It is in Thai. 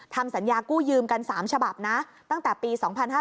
ทำสัญญากู้ยืมกัน๓ฉบับนะตั้งแต่ปี๒๕๕๙